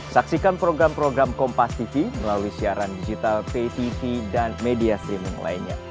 saksikan program program kompastv melalui siaran digital ptv dan media streaming lainnya